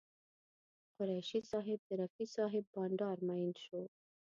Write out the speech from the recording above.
قریشي صاحب د رفیع صاحب بانډار مین شو.